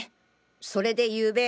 それでゆうべ。